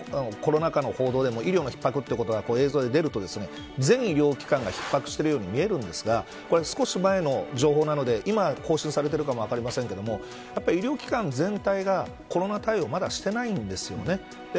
医療のひっ迫ってかつてのコロナ禍の報道でも医療の逼迫ってのが映像で出ると全医療機関が逼迫しているように見えるんですが少し前の情報なので、今は更新されているかもしれませんが医療機関全体がコロナ対応をまだしてないんですよね。